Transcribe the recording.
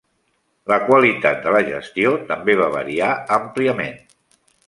La qualitat de la gestió també va variar àmpliament.